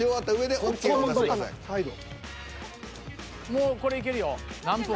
もうこれいけるよ何分？